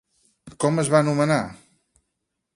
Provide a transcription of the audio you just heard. Com es va anomenar?